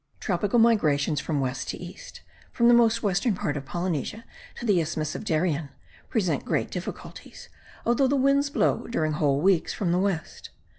Tropical migrations from west to east, from the most western part of Polynesia to the Isthmus of Darien, present great difficulties, although the winds blow during whole weeks from the west.